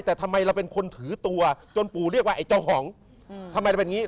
แต่ทำไมเราเป็นคนถือตัวจนปู่เรียกว่าไอ้เจ้าของทำไมเราเป็นอย่างนี้